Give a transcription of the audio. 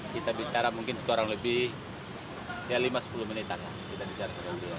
kita bicara mungkin sekurang lebih lima sepuluh menit akan kita bicara